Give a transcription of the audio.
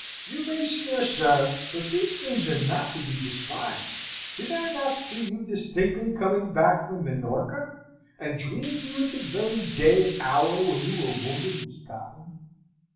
You may sneer, sir, but these things are not to be despised. Did I not see you distinctly coming back from Minorca, and dream of you at the very day and hour when you were wounded in Scotland?"